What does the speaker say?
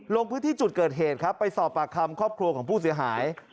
ลงพื้นที่จุดเกิดเหตุครับไปสอบปากคำครอบครัวของผู้เสียหาย